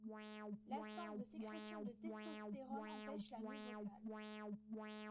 L'absence de sécrétion de testostérone empêche la mue vocale.